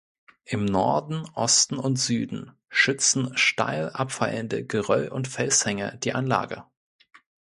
Im Norden, Osten und Süden schützen steil abfallende Geröll- und Felshänge die Anlage.